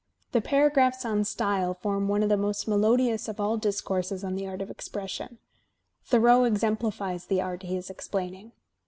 The paragraphs on style form one of the most melodious of all discourses on the art of expression; Thoreau exemplifies the art he is explaining.